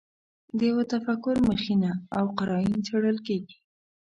د یوه تفکر مخینه او قراین څېړل کېږي.